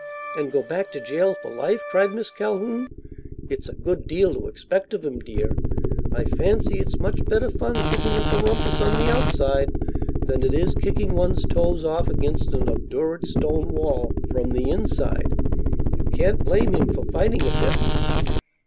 "And go back to jail for life?" cried Miss Calhoun. "It's a good deal to expect of him, dear. I fancy it's much better fun kicking up a rumpus on the outside than it is kicking one's toes off against an obdurate stone wall from the inside. You can't blame him for fighting a bit."